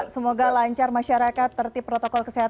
semoga lancar masyarakat tertip protokol kesehatan